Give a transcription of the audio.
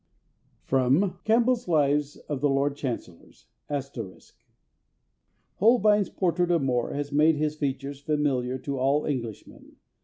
[Sidenote: Campbell's Lives of the Lord Chancellors. *] "Holbein's portrait of More has made his features familiar to all Englishmen.